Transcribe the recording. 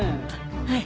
はい。